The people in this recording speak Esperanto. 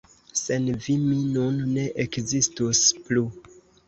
Sen vi mi nun ne ekzistus plu!